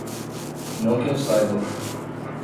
Não que eu saiba.